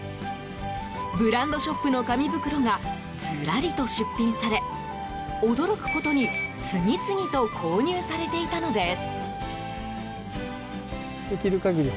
ブランドショップの紙袋がずらりと出品され驚くことに次々と購入されていたのです。